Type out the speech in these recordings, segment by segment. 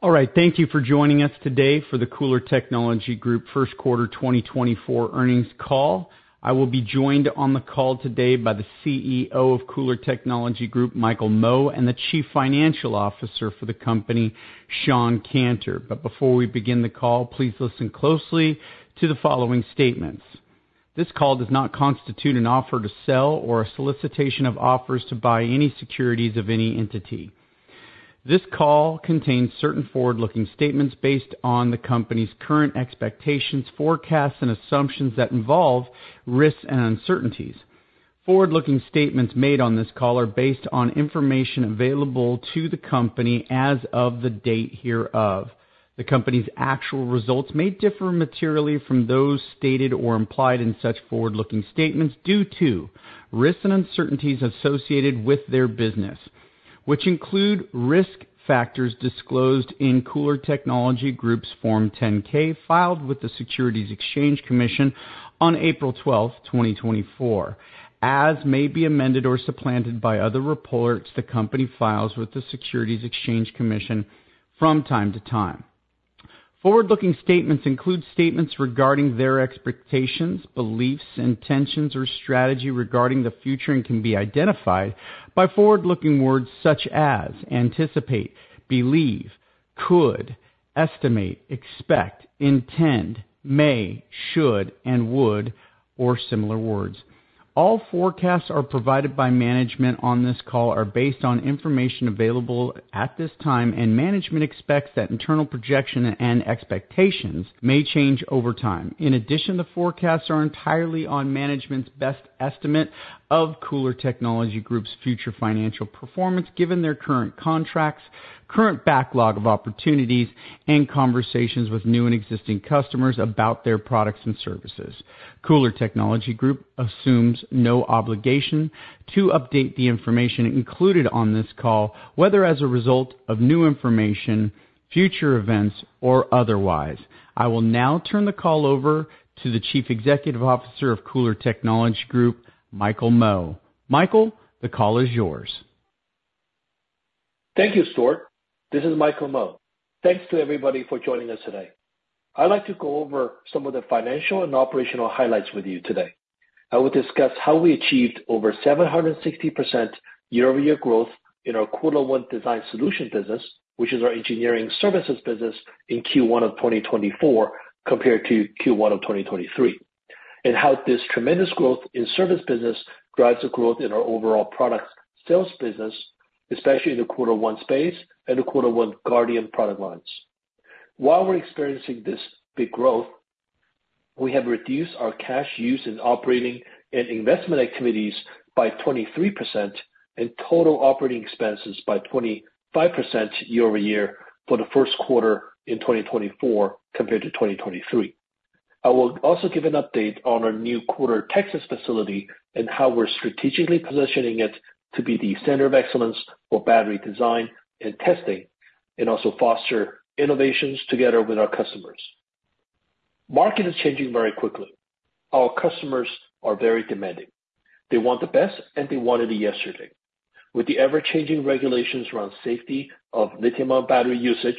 All right, thank you for joining us today for the KULR Technology Group first quarter 2024 earnings call. I will be joined on the call today by the CEO of KULR Technology Group, Michael Mo, and the Chief Financial Officer for the company, Shawn Canter. Before we begin the call, please listen closely to the following statements. This call does not constitute an offer to sell or a solicitation of offers to buy any securities of any entity. This call contains certain forward-looking statements based on the company's current expectations, forecasts, and assumptions that involve risks and uncertainties. Forward-looking statements made on this call are based on information available to the company as of the date hereof. The company's actual results may differ materially from those stated or implied in such forward-looking statements due to risks and uncertainties associated with their business, which include risk factors disclosed in KULR Technology Group's Form 10-K filed with the Securities and Exchange Commission on April 12th, 2024, as may be amended or supplanted by other reports the company files with the Securities and Exchange Commission from time to time. Forward-looking statements include statements regarding their expectations, beliefs, intentions, or strategy regarding the future and can be identified by forward-looking words such as anticipate, believe, could, estimate, expect, intend, may, should, and would, or similar words. All forecasts are provided by management on this call are based on information available at this time, and management expects that internal projection and expectations may change over time. In addition, the forecasts are entirely on management's best estimate of KULR Technology Group's future financial performance given their current contracts, current backlog of opportunities, and conversations with new and existing customers about their products and services. KULR Technology Group assumes no obligation to update the information included on this call, whether as a result of new information, future events, or otherwise. I will now turn the call over to the Chief Executive Officer of KULR Technology Group, Michael Mo. Michael, the call is yours. Thank you, Stuart. This is Michael Mo. Thanks to everybody for joining us today. I'd like to go over some of the financial and operational highlights with you today. I will discuss how we achieved over 760% year-over-year growth in our KULR ONE Design Solutions business, which is our engineering services business in Q1 of 2024 compared to Q1 of 2023, and how this tremendous growth in service business drives the growth in our overall product sales business, especially in the KULR ONE Space and the KULR ONE Guardian product lines. While we're experiencing this big growth, we have reduced our cash use in operating and investment activities by 23% and total operating expenses by 25% year-over-year for the first quarter in 2024 compared to 2023. I will also give an update on our new Webster, Texas facility and how we're strategically positioning it to be the center of excellence for battery design and testing and also foster innovations together with our customers. Market is changing very quickly. Our customers are very demanding. They want the best, and they wanted it yesterday. With the ever-changing regulations around safety of lithium-ion battery usage,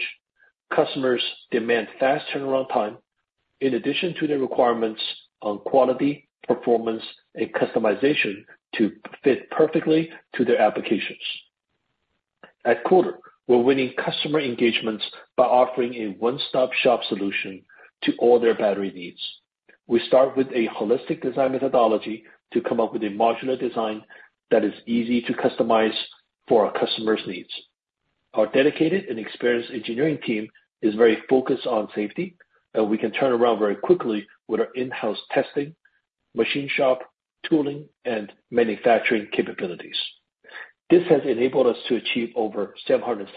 customers demand fast turnaround time in addition to their requirements on quality, performance, and customization to fit perfectly to their applications. At KULR, we're winning customer engagements by offering a one-stop shop solution to all their battery needs. We start with a holistic design methodology to come up with a modular design that is easy to customize for our customers' needs. Our dedicated and experienced engineering team is very focused on safety, and we can turn around very quickly with our in-house testing, machine shop, tooling, and manufacturing capabilities. This has enabled us to achieve over 760%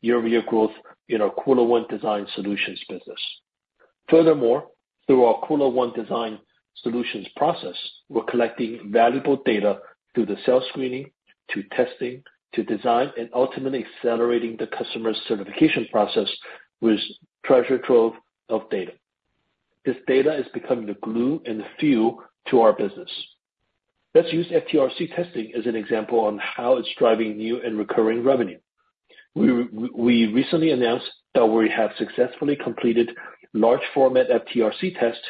year-over-year growth in our KULR ONE Design Solutions business. Furthermore, through our KULR ONE Design Solutions process, we're collecting valuable data through the cell screening, to testing, to design, and ultimately accelerating the customer certification process with a treasure trove of data. This data is becoming the glue and the fuel to our business. Let's use FTRC testing as an example on how it's driving new and recurring revenue. We recently announced that we have successfully completed large-format FTRC tests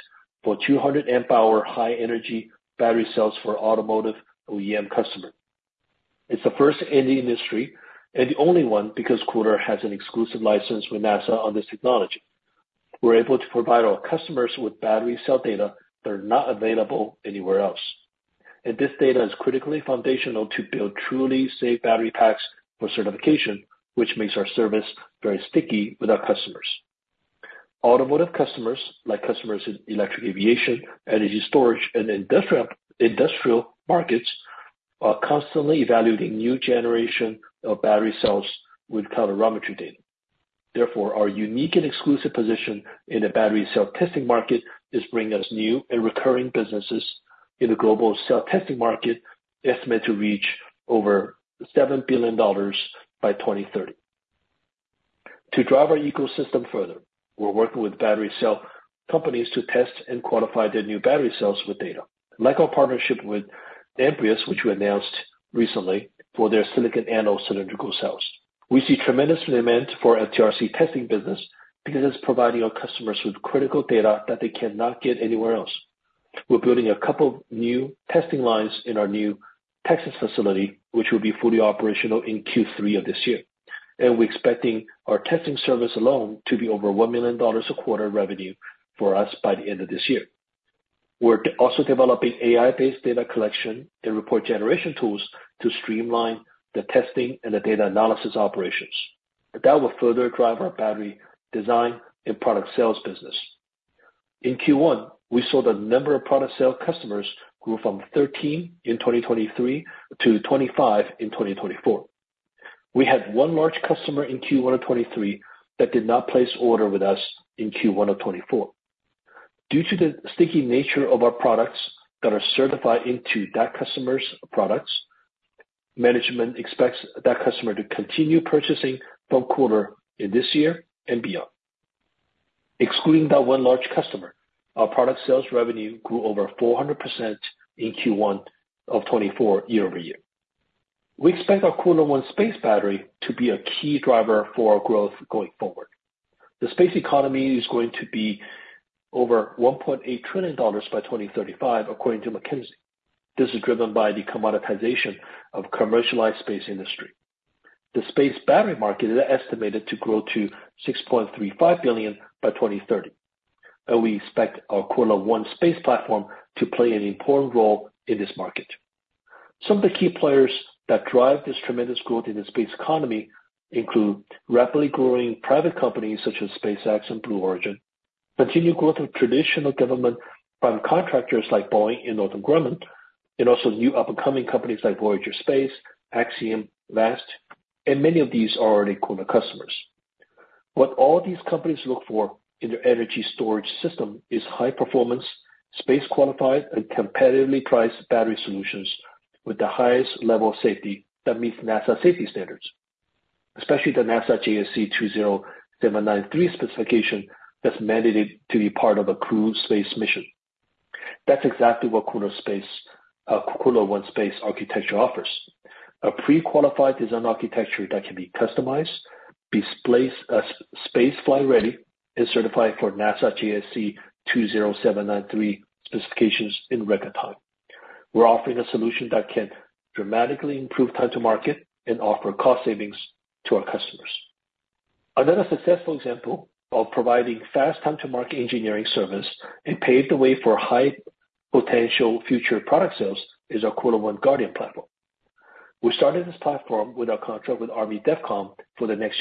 for 200 amp-hour high-energy battery cells for automotive OEM customers. It's the first in the industry and the only one because KULR has an exclusive license with NASA on this technology. We're able to provide our customers with battery cell data that are not available anywhere else. And this data is critically foundational to build truly safe battery packs for certification, which makes our service very sticky with our customers. Automotive customers, like customers in electric aviation, energy storage, and industrial markets, are constantly evaluating new generation of battery cells with calorimetry data. Therefore, our unique and exclusive position in the battery cell testing market is bringing us new and recurring businesses in the global cell testing market estimated to reach over $7 billion by 2030. To drive our ecosystem further, we're working with battery cell companies to test and quantify their new battery cells with data, like our partnership with Amprius, which we announced recently for their silicon anode cylindrical cells. We see tremendous demand for FTRC testing business because it's providing our customers with critical data that they cannot get anywhere else. We're building a couple of new testing lines in our new Texas facility, which will be fully operational in Q3 of this year. We're expecting our testing service alone to be over $1 million a quarter revenue for us by the end of this year. We're also developing AI-based data collection and report generation tools to streamline the testing and the data analysis operations. That will further drive our battery design and product sales business. In Q1, we saw the number of product sale customers grew from 13 in 2023 to 25 in 2024. We had one large customer in Q1 of 2023 that did not place order with us in Q1 of 2024. Due to the sticky nature of our products that are certified into that customer's products, management expects that customer to continue purchasing from KULR in this year and beyond. Excluding that one large customer, our product sales revenue grew over 400% in Q1 of 2024 year-over-year. We expect our KULR ONE Space battery to be a key driver for our growth going forward. The space economy is going to be over $1.8 trillion by 2035, according to McKinsey. This is driven by the commoditization of the commercialized space industry. The space battery market is estimated to grow to $6.35 billion by 2030. We expect our KULR ONE Space platform to play an important role in this market. Some of the key players that drive this tremendous growth in the space economy include rapidly growing private companies such as SpaceX and Blue Origin, continued growth of traditional government prime contractors like Boeing and Northrop Grumman, and also new up-and-coming companies like Voyager Space, Axiom, Vast, and many of these are already KULR customers. What all these companies look for in their energy storage system is high-performance, space-qualified, and competitively priced battery solutions with the highest level of safety that meets NASA safety standards, especially the NASA JSC 20793 specification that's mandated to be part of a crewed space mission. That's exactly what KULR Space architecture offers: a pre-qualified design architecture that can be customized, be spaceflight-ready, and certified for NASA JSC 20793 specifications in record time. We're offering a solution that can dramatically improve time-to-market and offer cost savings to our customers. Another successful example of providing fast time-to-market engineering service and paved the way for high-potential future product sales is our KULR ONE Guardian platform. We started this platform with our contract with Army DEVCOM for the next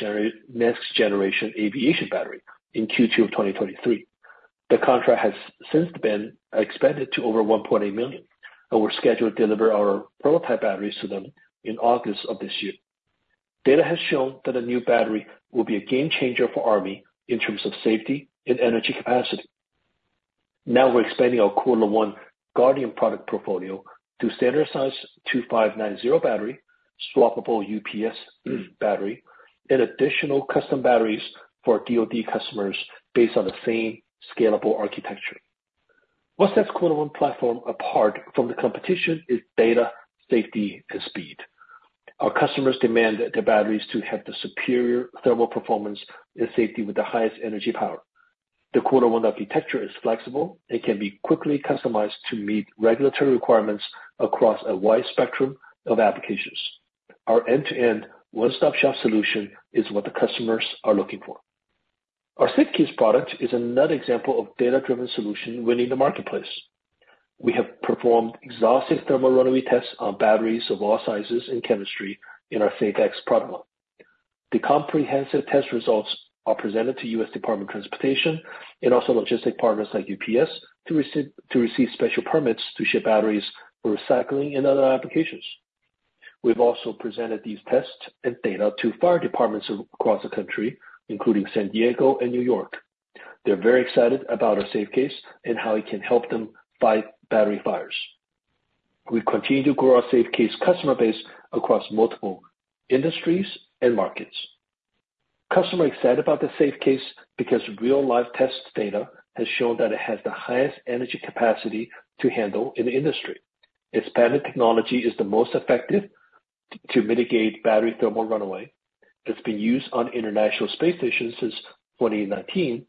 generation aviation battery in Q2 of 2023. The contract has since been expanded to over $1.8 million, and we're scheduled to deliver our prototype batteries to them in August of this year. Data has shown that a new battery will be a game-changer for Army in terms of safety and energy capacity. Now, we're expanding our KULR ONE Guardian product portfolio to standardized 2590 battery, swappable UPS battery, and additional custom batteries for DOD customers based on the same scalable architecture. What sets KULR ONE platform apart from the competition is data, safety, and speed. Our customers demand their batteries to have the superior thermal performance and safety with the highest energy power. The KULR ONE architecture is flexible and can be quickly customized to meet regulatory requirements across a wide spectrum of applications. Our end-to-end one-stop shop solution is what the customers are looking for. Our SafeCase product is another example of a data-driven solution winning the marketplace. We have performed exhaustive thermal runaway tests on batteries of all sizes and chemistry in our SafeCase product line. The comprehensive test results are presented to the U.S. Department of Transportation and also logistics partners like UPS to receive special permits to ship batteries for recycling and other applications. We've also presented these tests and data to fire departments across the country, including San Diego and New York. They're very excited about our SafeCase and how it can help them fight battery fires. We continue to grow our SafeCase customer base across multiple industries and markets. Customers are excited about the SafeCase because real-life test data has shown that it has the highest energy capacity to handle in the industry. TRS technology is the most effective to mitigate battery thermal runaway. It's been used on the International Space Station since 2019,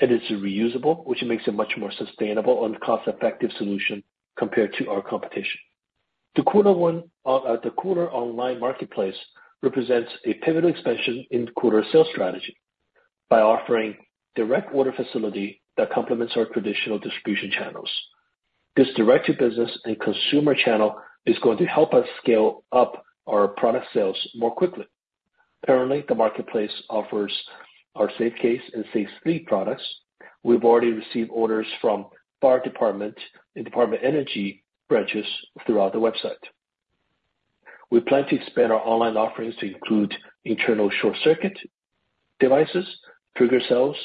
and it's reusable, which makes it much more sustainable and cost-effective solution compared to our competition. The KULR online marketplace represents a pivotal expansion in KULR's sales strategy by offering a direct order facility that complements our traditional distribution channels. This direct-to-business and consumer channel is going to help us scale up our product sales more quickly. Currently, the marketplace offers our SafeCase and SafeSleep products. We've already received orders from the fire department and Department of Energy branches throughout the website. We plan to expand our online offerings to include internal short-circuit devices, trigger cells,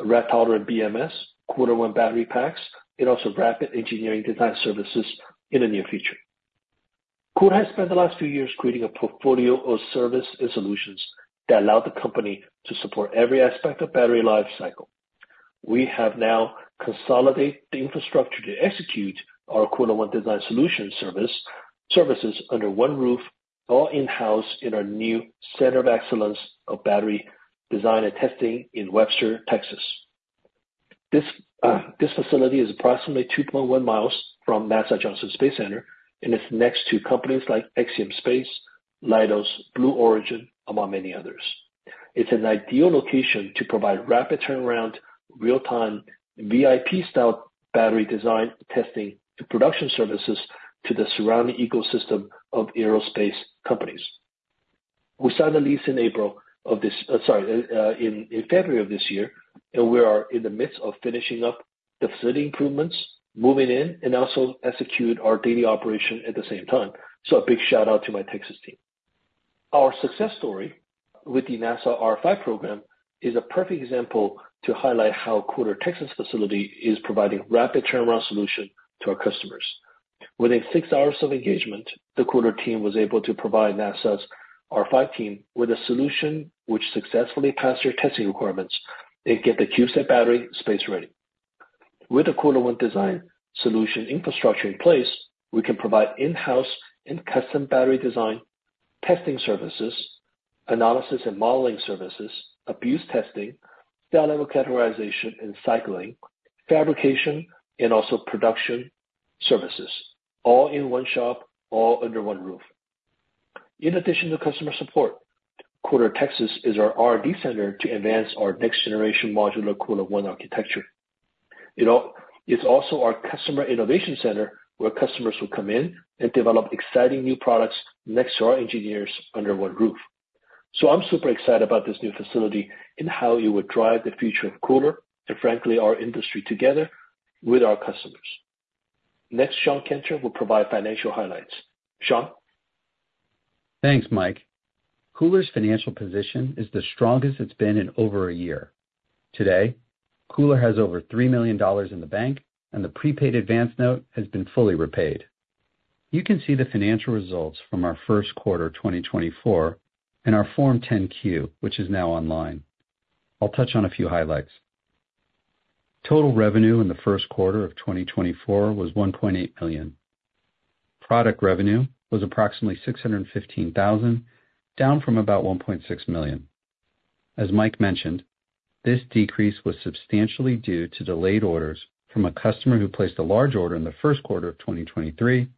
radiation-tolerant BMS, KULR battery packs, and also rapid engineering design services in the near future. KULR has spent the last few years creating a portfolio of services and solutions that allow the company to support every aspect of the battery lifecycle. We have now consolidated the infrastructure to execute our KULR design solutions services under one roof, all in-house in our new center of excellence of battery design and testing in Webster, Texas. This facility is approximately 2.1 mi from NASA Johnson Space Center, and it's next to companies like Axiom Space, Leidos, Blue Origin, among many others. It's an ideal location to provide rapid turnaround, real-time VIP-style battery design, testing, and production services to the surrounding ecosystem of aerospace companies. We signed the lease in February of this year, and we are in the midst of finishing up the facility improvements, moving in, and also executing our daily operation at the same time. So a big shout-out to my Texas team. Our success story with the NASA R5 program is a perfect example to highlight how KULR Texas facility is providing a rapid turnaround solution to our customers. Within six hours of engagement, the KULR team was able to provide NASA's R5 team with a solution which successfully passed their testing requirements and got the CubeSat battery space-ready. With the KULR design solution infrastructure in place, we can provide in-house and custom battery design, testing services, analysis and modeling services, abuse testing, cell-level characterization and cycling, fabrication, and also production services, all in one shop, all under one roof. In addition to customer support, KULR Texas is our R&D center to advance our next-generation modular KULR architecture. It's also our customer innovation center where customers will come in and develop exciting new products next to our engineers under one roof. So I'm super excited about this new facility and how it would drive the future of KULR and, frankly, our industry together with our customers. Next, Shawn Canter will provide financial highlights. Shawn? Thanks, Mike. KULR's financial position is the strongest it's been in over a year. Today, KULR has over $3 million in the bank, and the prepaid advance note has been fully repaid. You can see the financial results from our first quarter 2024 in our Form 10-Q, which is now online. I'll touch on a few highlights. Total revenue in the first quarter of 2024 was $1.8 million. Product revenue was approximately $615,000, down from about $1.6 million. As Mike mentioned, this decrease was substantially due to delayed orders from a customer who placed a large order in the first quarter of 2023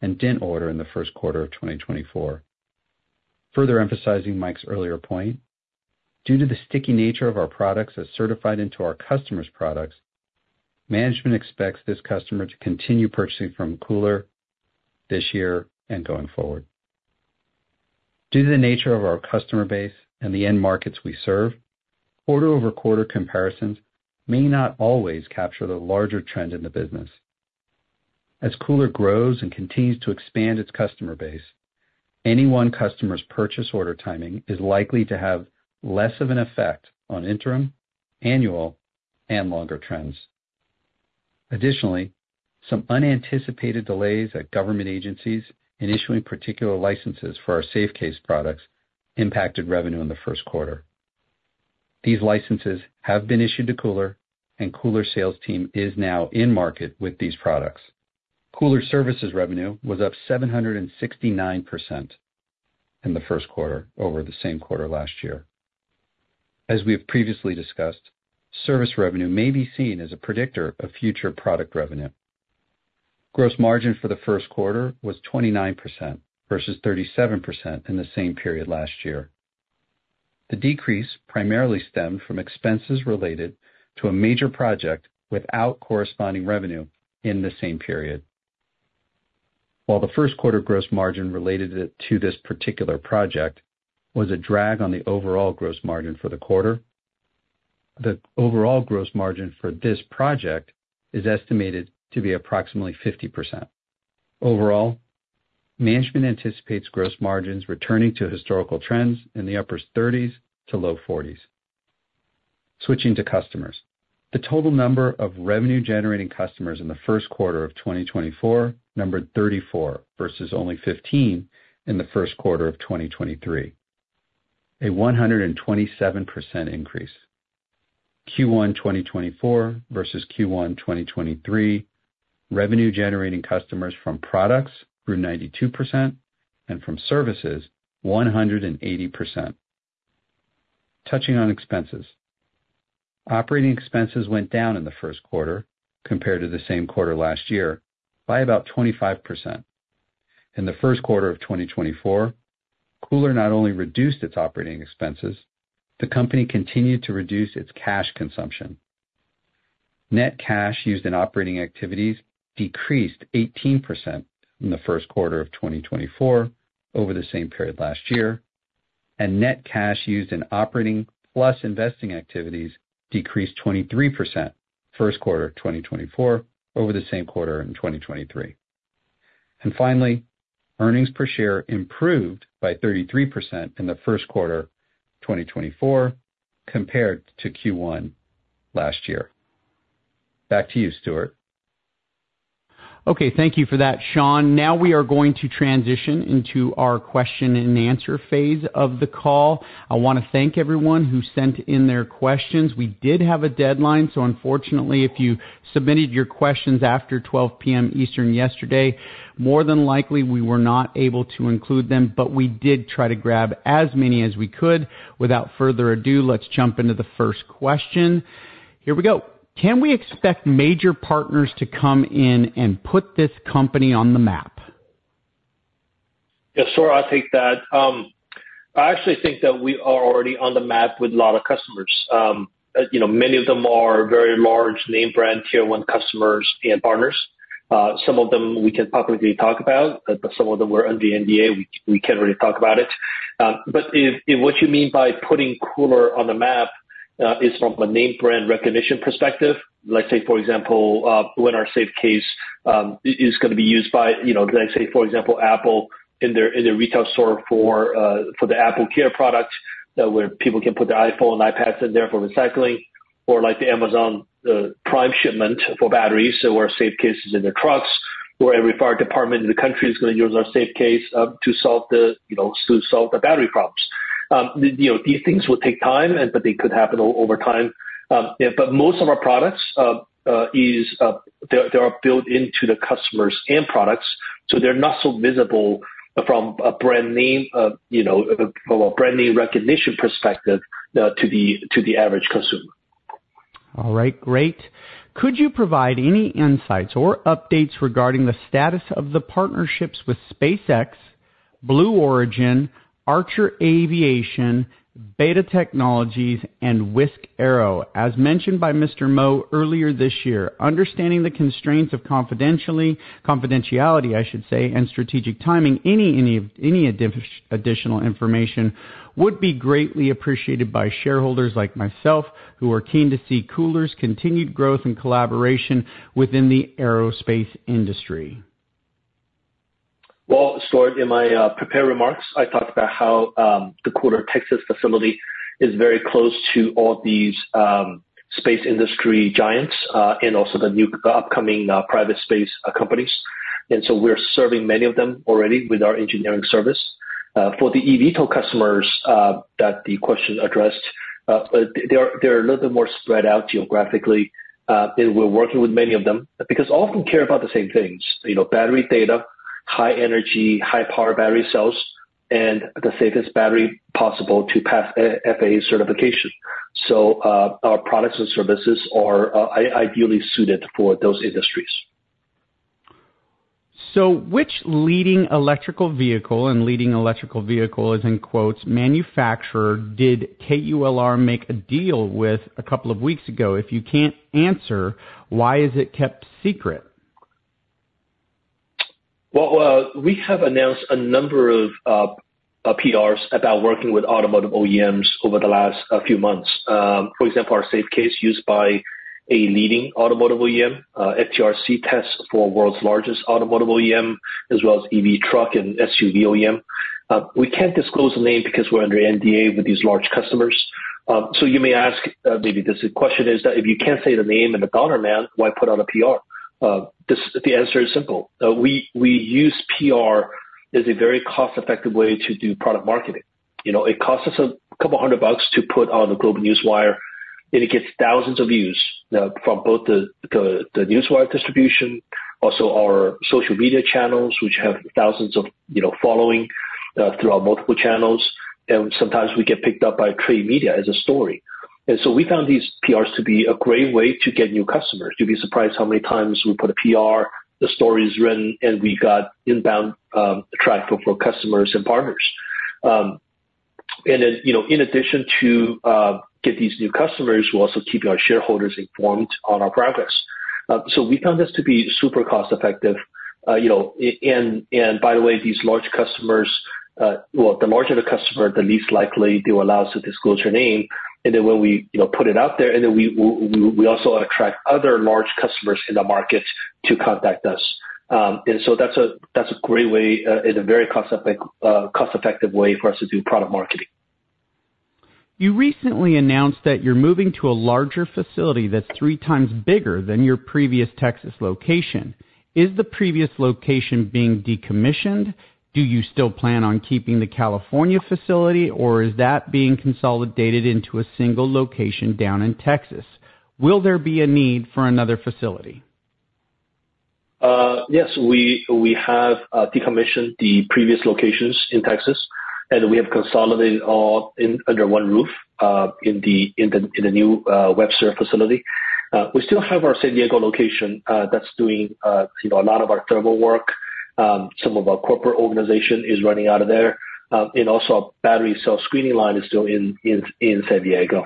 and didn't order in the first quarter of 2024. Further emphasizing Mike's earlier point, due to the sticky nature of our products as certified into our customers' products, management expects this customer to continue purchasing from KULR this year and going forward. Due to the nature of our customer base and the end markets we serve, quarter-over-quarter comparisons may not always capture the larger trend in the business. As KULR grows and continues to expand its customer base, any one customer's purchase order timing is likely to have less of an effect on interim, annual, and longer trends. Additionally, some unanticipated delays at government agencies in issuing particular licenses for our SafeCase products impacted revenue in the first quarter. These licenses have been issued to KULR, and KULR's sales team is now in market with these products. KULR's services revenue was up 769% in the first quarter over the same quarter last year. As we have previously discussed, service revenue may be seen as a predictor of future product revenue. Gross margin for the first quarter was 29% versus 37% in the same period last year. The decrease primarily stemmed from expenses related to a major project without corresponding revenue in the same period. While the first quarter gross margin related to this particular project was a drag on the overall gross margin for the quarter, the overall gross margin for this project is estimated to be approximately 50%. Overall, management anticipates gross margins returning to historical trends in the upper 30%s to low 40%s. Switching to customers, the total number of revenue-generating customers in the first quarter of 2024 numbered 34 versus only 15 in the first quarter of 2023, a 127% increase. Q1 2024 versus Q1 2023, revenue-generating customers from products grew 92% and from services, 180%. Touching on expenses, operating expenses went down in the first quarter compared to the same quarter last year by about 25%. In the first quarter of 2024, KULR not only reduced its operating expenses, the company continued to reduce its cash consumption. Net cash used in operating activities decreased 18% in the first quarter of 2024 over the same period last year, and net cash used in operating plus investing activities decreased 23% first quarter 2024 over the same quarter in 2023. Finally, earnings per share improved by 33% in the first quarter 2024 compared to Q1 last year. Back to you, Stuart. Okay, thank you for that, Shawn. Now we are going to transition into our question-and-answer phase of the call. I want to thank everyone who sent in their questions. We did have a deadline, so unfortunately, if you submitted your questions after 12:00 P.M. Eastern yesterday, more than likely, we were not able to include them, but we did try to grab as many as we could. Without further ado, let's jump into the first question. Here we go. Can we expect major partners to come in and put tis company on the map? Yeah, sure. I'll take that. I actually think that we are already on the map with a lot of customers. Many of them are very large name-brand Tier 1 customers and partners. Some of them we can publicly talk about, but some of them were under NDA. We can't really talk about it. But what you mean by putting KULR on the map is from a name-brand recognition perspective. Let's say, for example, when our SafeCase is going to be used by, let's say, for example, Apple in their retail store for the AppleCare product where people can put their iPhone and iPads in there for recycling, or like the Amazon Prime shipment for batteries where SafeCase is in their trucks, where every fire department in the country is going to use our SafeCase to solve the battery problems. These things will take time, but they could happen over time. Most of our products, they are built into the customers' end products, so they're not so visible from a brand name from a brand name recognition perspective to the average consumer. All right, great. Could you provide any insights or updates regarding the status of the partnerships with SpaceX, Blue Origin, Archer Aviation, Beta Technologies, and Wisk Aero? As mentioned by Mr. Mo earlier this year, understanding the constraints of confidentiality, I should say, and strategic timing, any additional information would be greatly appreciated by shareholders like myself who are keen to see KULR's continued growth and collaboration within the aerospace industry. Well, Stuart, in my prepared remarks, I talked about how the KULR Texas facility is very close to all these space industry giants and also the upcoming private space companies. And so we're serving many of them already with our engineering service. For the eVTOL customers that the question addressed, they're a little bit more spread out geographically, and we're working with many of them because all of them care about the same things: battery data, high-energy, high-power battery cells, and the safest battery possible to pass FAA certification. So our products and services are ideally suited for those industries. So which leading electric vehicle "manufacturer" did KULR make a deal with a couple of weeks ago? If you can't answer, why is it kept secret? Well, we have announced a number of PRs about working with automotive OEMs over the last few months. For example, our SafeCase used by a leading automotive OEM, FTRC tests for the world's largest automotive OEM, as well as EV truck and SUV OEM. We can't disclose the name because we're under NDA with these large customers. So you may ask maybe this question is that if you can't say the name and the dollar amount, why put out a PR? The answer is simple. We use PR as a very cost-effective way to do product marketing. It costs us $200 to put on the GlobeNewswire, and it gets thousands of views from both the newswire distribution, also our social media channels, which have thousands of followings throughout multiple channels. And sometimes we get picked up by trade media as a story. We found these PRs to be a great way to get new customers. You'd be surprised how many times we put a PR, the story is written, and we got inbound traffic for customers and partners. In addition to get these new customers, we're also keeping our shareholders informed on our progress. We found this to be super cost-effective. By the way, these large customers well, the larger the customer, the least likely they will allow us to disclose your name. When we put it out there, we also attract other large customers in the market to contact us. That's a great way, a very cost-effective way for us to do product marketing. You recently announced that you're moving to a larger facility that's three times bigger than your previous Texas location. Is the previous location being decommissioned? Do you still plan on keeping the California facility, or is that being consolidated into a single location down in Texas? Will there be a need for another facility? Yes, we have decommissioned the previous locations in Texas, and we have consolidated all under one roof in the new Webster facility. We still have our San Diego location that's doing a lot of our thermal work. Some of our corporate organization is running out of there. Also our battery cell screening line is still in San Diego.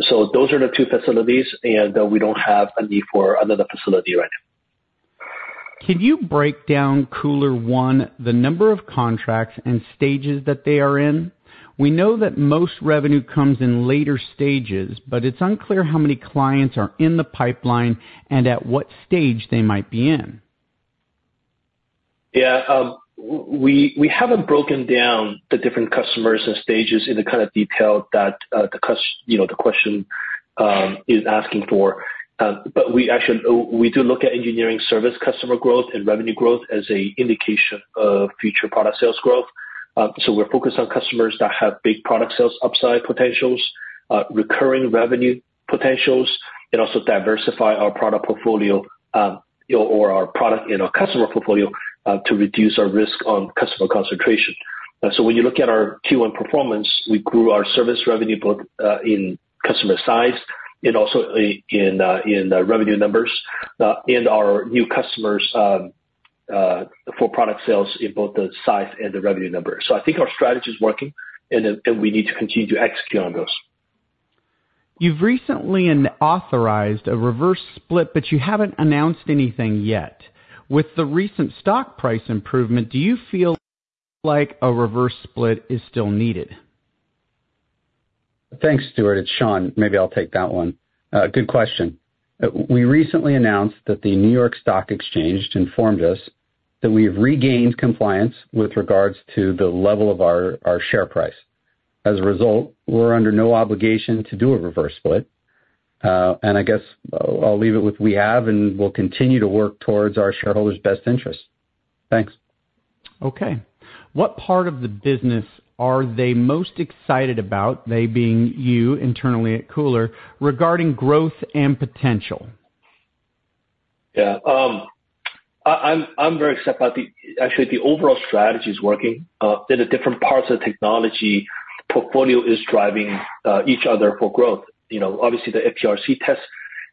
So those are the two facilities, and we don't have a need for another facility right now. Can you break down KULR ONE, the number of contracts and stages that they are in? We know that most revenue comes in later stages, but it's unclear how many clients are in the pipeline and at what stage they might be in. Yeah, we haven't broken down the different customers and stages in the kind of detail that the question is asking for. But actually, we do look at engineering service customer growth and revenue growth as an indication of future product sales growth. So we're focused on customers that have big product sales upside potentials, recurring revenue potentials, and also diversify our product portfolio or our product in our customer portfolio to reduce our risk on customer concentration. So when you look at our Q1 performance, we grew our service revenue both in customer size and also in revenue numbers and our new customers for product sales in both the size and the revenue numbers. So I think our strategy is working, and we need to continue to execute on those. You've recently authorized a reverse split, but you haven't announced anything yet. With the recent stock price improvement, do you feel like a reverse split is still needed? Thanks, Stuart. It's Shawn. Maybe I'll take that one. Good question. We recently announced that the New York Stock Exchange informed us that we have regained compliance with regards to the level of our share price. As a result, we're under no obligation to do a reverse split. And I guess I'll leave it with we have, and we'll continue to work towards our shareholders' best interests. Thanks. Okay. What part of the business are they most excited about, they being you internally at KULR, regarding growth and potential? Yeah. I'm very excited about actually, the overall strategy is working. The different parts of the technology portfolio is driving each other for growth. Obviously, the FTRC test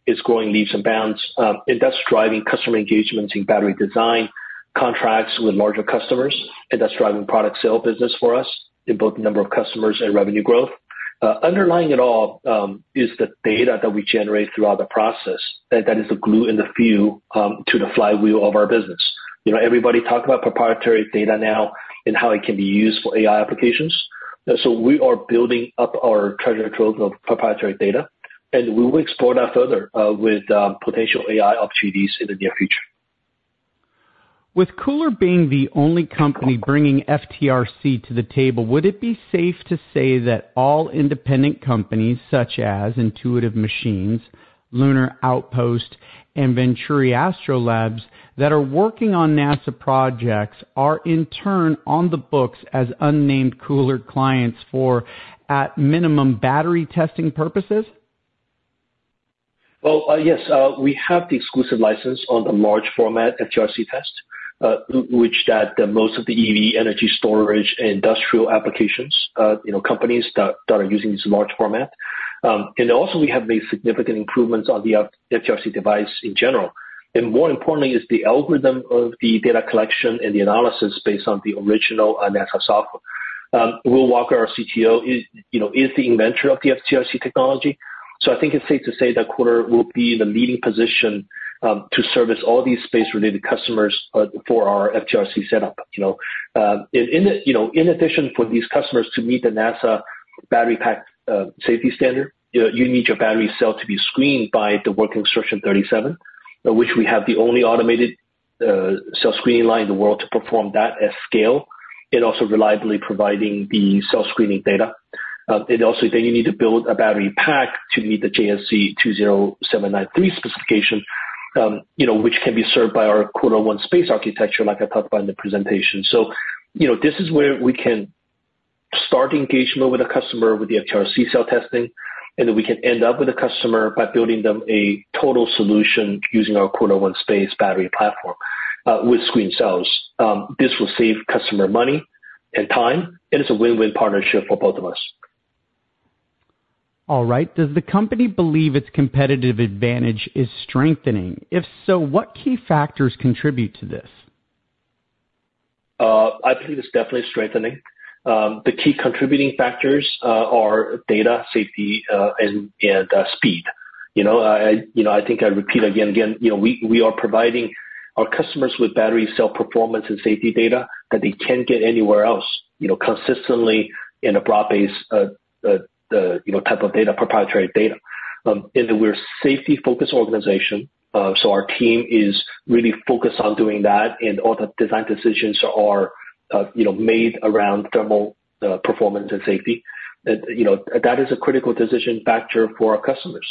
is growing leaps and bounds, and that's driving customer engagements in battery design contracts with larger customers. And that's driving product sale business for us in both the number of customers and revenue growth. Underlying it all is the data that we generate throughout the process. That is the glue in the fuel to the flywheel of our business. Everybody talks about proprietary data now and how it can be used for AI applications. So we are building up our treasure trove of proprietary data, and we will explore that further with potential AI opportunities in the near future. With KULR being the only company bringing FTRC to the table, would it be safe to say that all independent companies such as Intuitive Machines, Lunar Outpost, and Venturi Astrolab that are working on NASA projects are in turn on the books as unnamed KULR clients for, at minimum, battery testing purposes? Well, yes. We have the exclusive license on the large format FTRC test, which most of the EV, energy storage, and industrial applications companies that are using this large format. And also, we have made significant improvements on the FTRC device in general. And more importantly, it's the algorithm of the data collection and the analysis based on the original NASA software. Will Walker, our CTO, is the inventor of the FTRC technology. So I think it's safe to say that KULR will be in the leading position to service all these space-related customers for our FTRC setup. In addition, for these customers to meet the NASA battery pack safety standard, you need your battery cell to be screened by the Work Instruction 37, which we have the only automated cell screening line in the world to perform that at scale and also reliably providing the cell screening data. Also, then you need to build a battery pack to meet the JSC 20793 specification, which can be served by our KULR ONE Space architecture, like I talked about in the presentation. This is where we can start engagement with a customer with the FTRC cell testing, and then we can end up with a customer by building them a total solution using our KULR ONE Space battery platform with screened cells. This will save customer money and time, and it's a win-win partnership for both of us. All right. Does the company believe its competitive advantage is strengthening? If so, what key factors contribute to this? I believe it's definitely strengthening. The key contributing factors are data, safety, and speed. I think I repeat again and again, we are providing our customers with battery cell performance and safety data that they can't get anywhere else consistently in a broad-based type of data, proprietary data. And then we're a safety-focused organization. So our team is really focused on doing that, and all the design decisions are made around thermal performance and safety. That is a critical decision factor for our customers.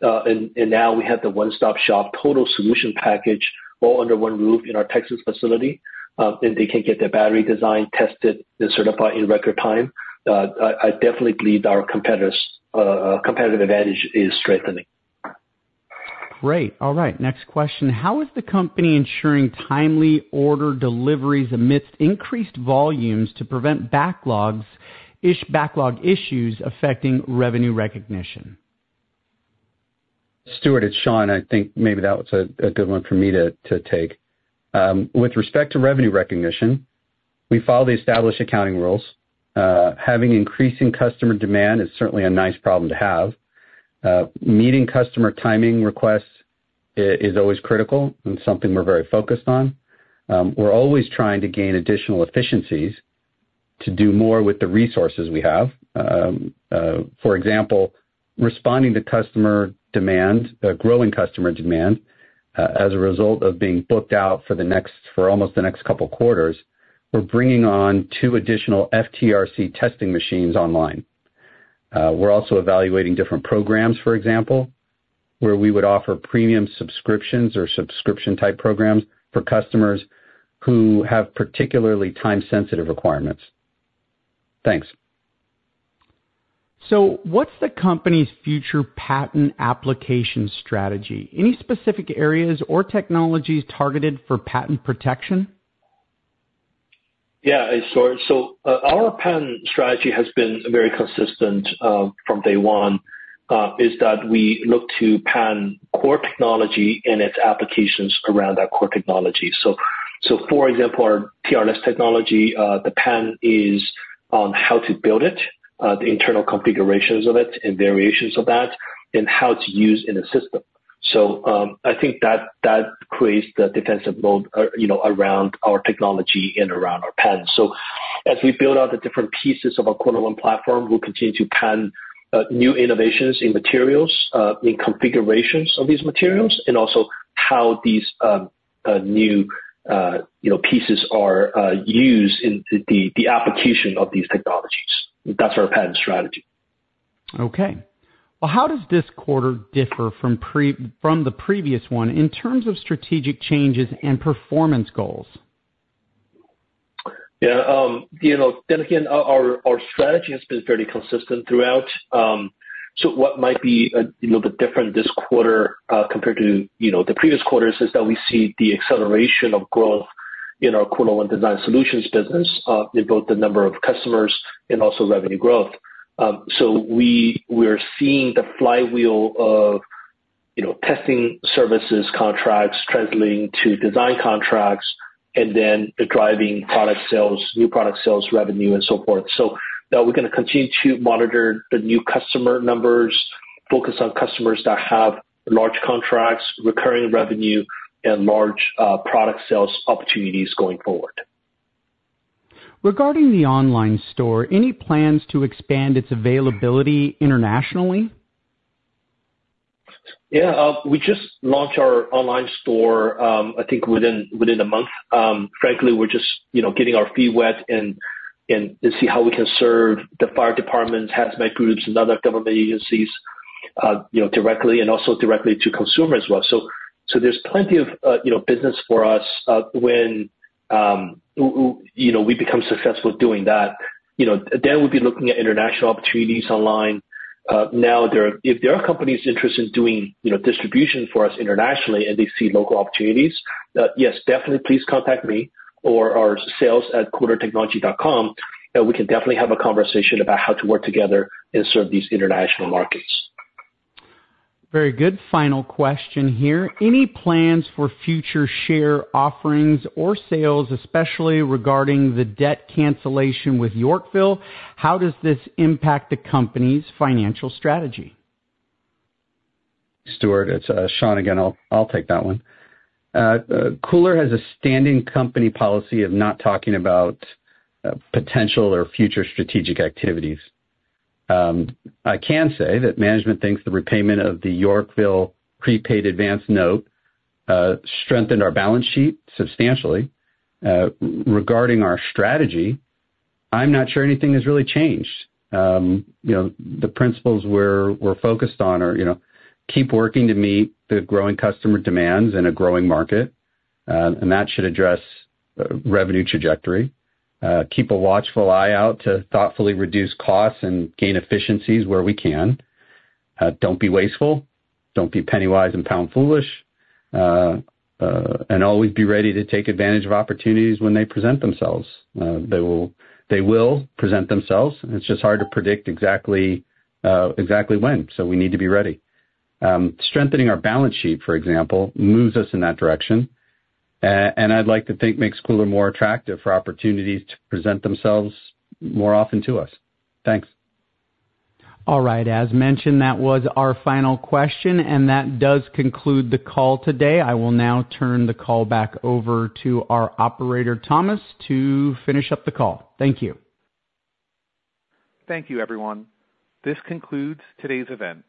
And now we have the one-stop shop total solution package all under one roof in our Texas facility, and they can get their battery design tested and certified in record time. I definitely believe our competitive advantage is strengthening. Great. All right. Next question. How is the company ensuring timely order deliveries amidst increased volumes to prevent backlog issues affecting revenue recognition? Stuart, it's Shawn. I think maybe that was a good one for me to take. With respect to revenue recognition, we follow the established accounting rules. Having increasing customer demand is certainly a nice problem to have. Meeting customer timing requests is always critical and something we're very focused on. We're always trying to gain additional efficiencies to do more with the resources we have. For example, responding to customer demand, growing customer demand as a result of being booked out for almost the next couple of quarters, we're bringing on two additional FTRC testing machines online. We're also evaluating different programs, for example, where we would offer premium subscriptions or subscription-type programs for customers who have particularly time-sensitive requirements. Thanks. What's the company's future patent application strategy? Any specific areas or technologies targeted for patent protection? Yeah, Stuart. So our patent strategy has been very consistent from day one, is that we look to patent core technology and its applications around that core technology. So for example, our TRS technology, the patent is on how to build it, the internal configurations of it and variations of that, and how to use it in a system. So I think that creates the defensive mode around our technology and around our patent. So as we build out the different pieces of our KULR ONE platform, we'll continue to patent new innovations in materials, in configurations of these materials, and also how these new pieces are used in the application of these technologies. That's our patent strategy. Okay. Well, how does this quarter differ from the previous one in terms of strategic changes and performance goals? Yeah. Then again, our strategy has been very consistent throughout. So what might be a little bit different this quarter compared to the previous quarters is that we see the acceleration of growth in our KULR ONE design solutions business in both the number of customers and also revenue growth. So we are seeing the flywheel of testing services contracts translating to design contracts and then driving new product sales revenue and so forth. So we're going to continue to monitor the new customer numbers, focus on customers that have large contracts, recurring revenue, and large product sales opportunities going forward. Regarding the online store, any plans to expand its availability internationally? Yeah. We just launched our online store, I think, within a month. Frankly, we're just getting our feet wet and see how we can serve the fire departments, hazmat groups, and other government agencies directly and also directly to consumers as well. So there's plenty of business for us when we become successful doing that. Then we'll be looking at international opportunities online. Now, if there are companies interested in doing distribution for us internationally and they see local opportunities, yes, definitely, please contact me or our sales@kulrtechnology.com. And we can definitely have a conversation about how to work together and serve these international markets. Very good. Final question here. Any plans for future share offerings or sales, especially regarding the debt cancellation with Yorkville? How does this impact the company's financial strategy? Stuart, it's Shawn again. I'll take that one. KULR has a standing company policy of not talking about potential or future strategic activities. I can say that management thinks the repayment of the Yorkville prepaid advance note strengthened our balance sheet substantially. Regarding our strategy, I'm not sure anything has really changed. The principles we're focused on are keep working to meet the growing customer demands in a growing market, and that should address revenue trajectory. Keep a watchful eye out to thoughtfully reduce costs and gain efficiencies where we can. Don't be wasteful. Don't be pennywise and pound foolish. And always be ready to take advantage of opportunities when they present themselves. They will present themselves. It's just hard to predict exactly when. So we need to be ready. Strengthening our balance sheet, for example, moves us in that direction. And I'd like to think makes KULR more attractive for opportunities to present themselves more often to us. Thanks. All right. As mentioned, that was our final question, and that does conclude the call today. I will now turn the call back over to our operator, Thomas, to finish up the call. Thank you. Thank you, everyone. This concludes today's event.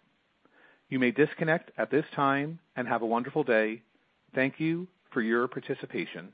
You may disconnect at this time and have a wonderful day. Thank you for your participation.